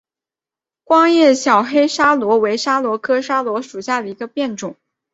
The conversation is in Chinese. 光叶小黑桫椤为桫椤科桫椤属下的一个变种。